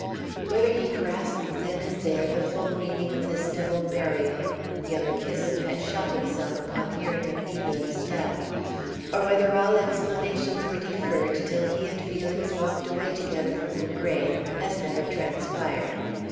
"Whether he grasped then and there the full meaning of this double burial (young Kissam had shot himself upon hearing of Evelyn's death), or whether all explanations were deferred till he and Felix walked away together from the grave, has never transpired.